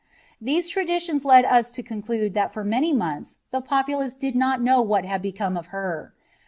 These tiadiUons lead us lo conclude that for many tnonthi iht populace did not know what had become of her.